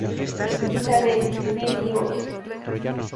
Isabel: Meli Os.